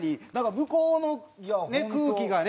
向こうのね空気がね